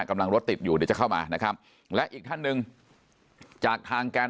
กำลังรถติดอยู่เดี๋ยวจะเข้ามานะครับและอีกท่านหนึ่งจากทางแกน